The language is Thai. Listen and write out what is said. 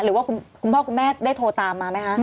หรือว่าคุณพ่อคุณแม่ได้โทรตามมาไหมคะ